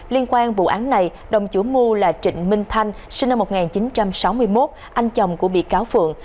liên quan vụ án này đồng chủ mưu là trịnh minh thanh sinh năm một nghìn chín trăm sáu mươi một anh chồng của bị cáo phượng